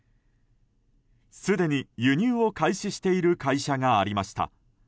すでに輸入を開始している会社がありました。